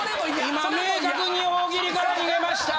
今明確に大喜利から逃げました！